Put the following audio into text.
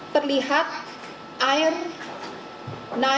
terlihat air naik semakin jauh